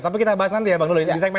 tapi kita bahas nanti ya bang dulu